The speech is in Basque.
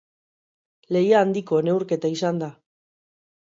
Lehia handiko neurketa izan da.